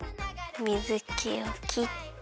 水けをきって。